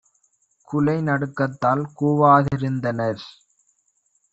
குலைநடுக் கத்தால் கூவா திருந்தனர்!